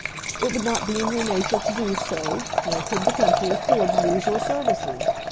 It would not be in your nature to do so, nor could the country afford to lose your services.